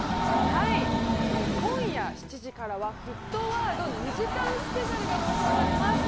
はい、今夜７時からは『沸騰ワード』２時間スペシャルが放送されます。